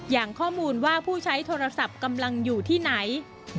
อย่างข้อมูลว่าผู้ใช้โทรศัพท์กำลังอยู่ที่ไหน